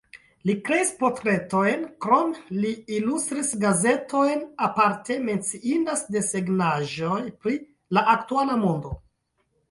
Li kreis portretojn, krome li ilustris gazetojn, aparte menciindas desegnaĵoj pri la aktuala modo.